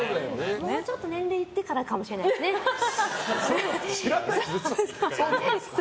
もうちょっと年齢いってからかも知らないでしょ。